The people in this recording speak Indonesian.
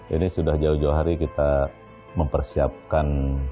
ini sudah jauh jauh hari kita mempersiapkan